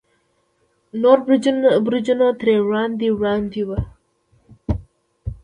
نور برجونه ترې وړاندې وړاندې وو.